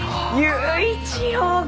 佑一郎君！